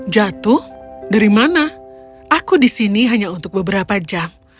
jatuh dari mana aku di sini hanya untuk beberapa jam